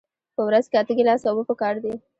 په ورځ کې اته ګیلاسه اوبه پکار دي